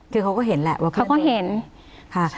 คือเขาก็เห็นแหละว่าเพื่อนโดน